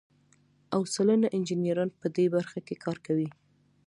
اوه سلنه انجینران په دې برخه کې کار کوي.